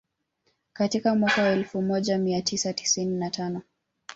katika mwaka wa elfu moja mia tisa tisini na tano